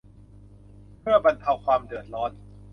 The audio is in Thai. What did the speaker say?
เพื่อบรรเทาความเดือดร้อน